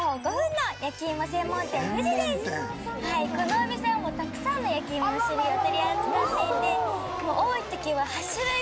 このお店はたくさんの焼き芋の種類を取り扱っていて。